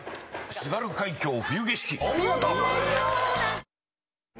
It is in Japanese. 『津軽海峡・冬景色』お見事。